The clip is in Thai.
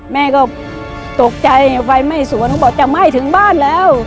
แม่ก็ตกใจไฟไหม้สวนเขาบอกจะไหม้ถึงบ้านแล้ว